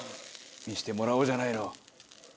見せてもらおうじゃないの。